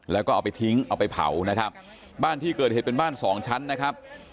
แล้วก็เอาไปทิ้งเอาไปเผานะครับบ้านที่เกิดเหตุเป็นบ้านสองชั้นนะครับ